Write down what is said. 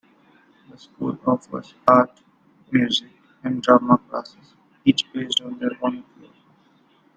The school offers art, music, and drama classes, each based on their own floor.